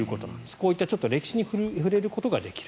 こういった歴史に触れることができる。